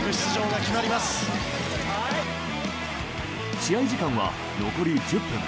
試合時間は残り１０分。